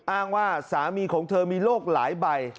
อ้างว่าสามีของเธอมีโรคหลายใบ